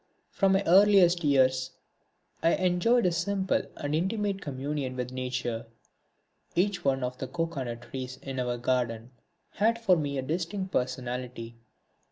From my earliest years I enjoyed a simple and intimate communion with Nature. Each one of the cocoanut trees in our garden had for me a distinct personality.